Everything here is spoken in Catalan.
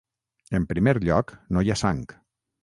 En primer lloc, no hi ha sang.